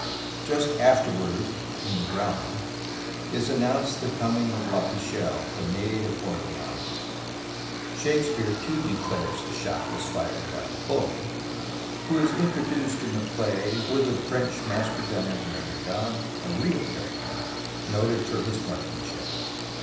Just afterward in the drama is announced the coming of La Pucelle, the Maid of Orleans. Shakespeare, too, declares the shot was fired by a boy, who is introduced in the play with the French master gunner, Maitre Jean, a real character, noted for his marksmanship.